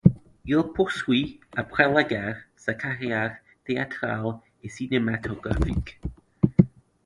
Il poursuit, après la guerre, sa carrière théâtrale et cinématographique.